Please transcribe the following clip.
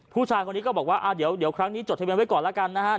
ผู้ชายคนนี้ก็บอกว่าว่าเดี๋ยวครั้งนี้ขนาดนี้กดทะเบียนไว้ก่อนล่ะกัน